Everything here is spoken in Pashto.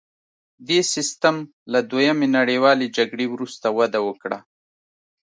دې سیستم له دویمې نړیوالې جګړې وروسته وده وکړه